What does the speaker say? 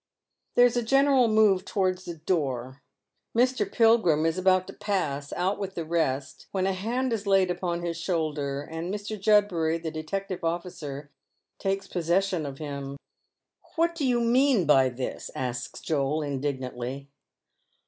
There is a general move towards the door. Mr. Pilgrim is about to pass out with the rest, when a hand is laid upon his shoulder, and ]\tr. Judbury, the detective officer, takes possession of him. " What do you mean by this ?" asks Joel, indignantly.